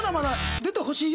「出てほしいよ」。